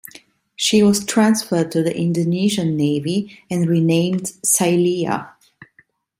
She was transferred to the Indonesian Navy and renamed "Silea".